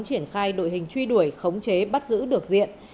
triển khai đội hình truy đuổi khống chế bắt giữ được diện